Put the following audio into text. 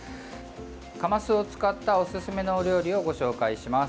カマスを使ったおすすめのお料理をご紹介します。